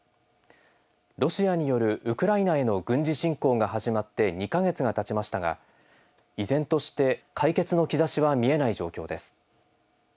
ロシアによるウクライナへの軍事侵攻が始まって２か月がたちましたが依然として解決の兆しは見えない状況です。